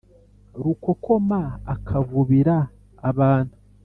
rukokoma akavubira abantu